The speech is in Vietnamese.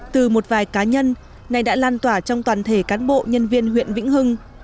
từ một vài cá nhân này đã lan tỏa trong toàn thể cán bộ nhân viên huyện vĩnh hưng